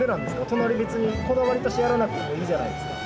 隣別にこだわりとしてやらなくてもいいじゃないですか。